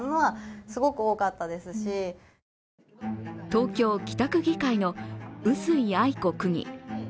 東京・北区議会の臼井愛子区議。